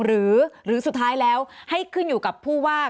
หรือสุดท้ายแล้วให้ขึ้นอยู่กับผู้ว่า